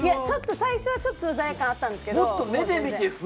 ちょっと最初はちょっと罪悪感あったんですけど。